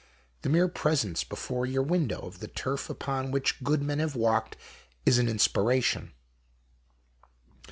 The mere presence before your window, of the turf upon which good men have walked, is an inspiration.